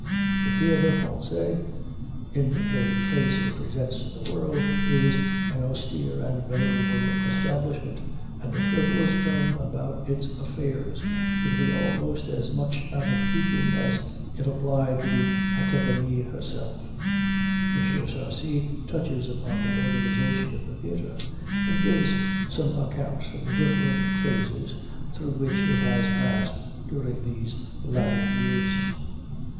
The Théâtre Français, in the face it presents to the world, is an austere and venerable establishment, and a frivolous tone about its affairs would be almost as much out of keeping as if applied to the Académie herself. M. Sarcey touches upon the organization of the theater, and gives some account of the different phases through which it has passed during these latter years.